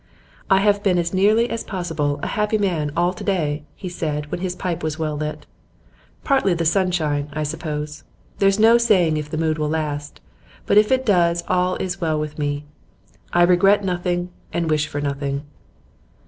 'I have been as nearly as possible a happy man all to day,' he said, when his pipe was well lit. 'Partly the sunshine, I suppose. There's no saying if the mood will last, but if it does all is well with me. I regret nothing and wish for nothing.